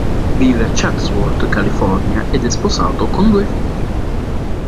Vive a Chatsworth, California ed è sposato con due figli.